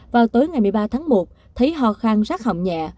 vào tối ngày một mươi ba tháng một thấy ho khang rác hỏng nhẹ